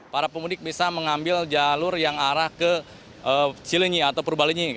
para pemudik bisa mengambil jalur yang arah ke cilinyi atau purbalenyi